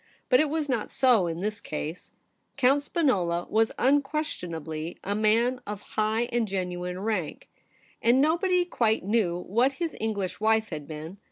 But it was not so in this case ; Count Spinola was un questionably a man of high and genuine rank, and nobody quite knew what his English wife MADAME SPIN OLA AT HOME. 103 had been.